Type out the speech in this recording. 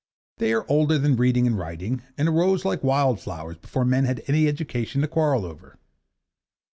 They are older than reading and writing, and arose like wild flowers before men had any education to quarrel over.